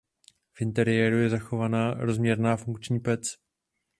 V interiéru je zachovaná rozměrná funkční pec.